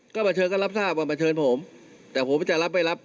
ก็มาเชิญก็รับทราบว่ามาเชิญผมแต่ผมจะรับไม่รับ